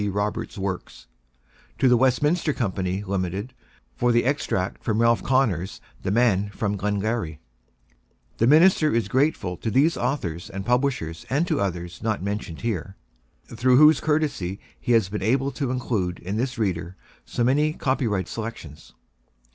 D. Roberts' works; to The Westminster Co., Limited, for the extract from "Ralph Connor's" "The Man from Glengarry." The Minister is grateful to these authors and publishers and to others, not mentioned here, through whose courtesy he has been able to include in this Reader so many copyright selections.